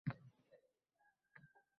Yana og‘riq paydo bo‘lganini his qildi.